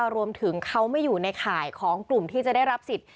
รวมถึงเขาไม่อยู่ในข่ายของกลุ่มที่จะได้รับสิทธิ